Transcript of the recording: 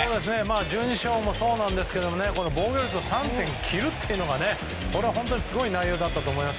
１２勝もそうなんですけど防御率２．９というのがすごい内容だったと思います。